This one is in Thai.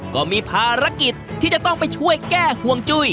ก็มีภารกิจที่จะต้องไปช่วยแก้ห่วงจุ้ย